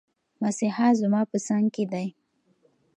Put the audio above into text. مسیحا زما په څنګ کې دی.